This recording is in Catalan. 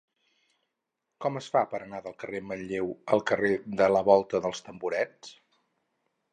Com es fa per anar del carrer de Manlleu al carrer de la Volta dels Tamborets?